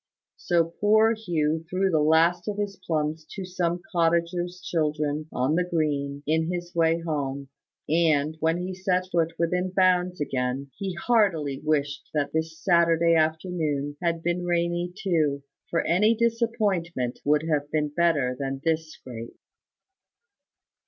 So poor Hugh threw the last of his plums to some cottager's children on the green, in his way home; and, when he set foot within bounds again, he heartily wished that this Saturday afternoon had been rainy too; for any disappointment would have been better than this scrape.